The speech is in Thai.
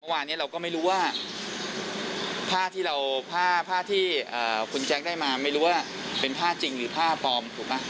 เวลานี้เราก็ไม่รู้ว่าผ้าที่คนแจ๊คได้มาเป็นผ้าจริงหรือผ้าฟอม